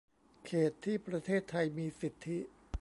เขตที่ประเทศไทยมีสิทธิ